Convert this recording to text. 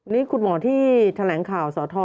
นี่คุณหมอที่แถลงข่าวสท